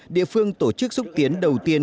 địa phương tổ chức xúc tiến đầu tiên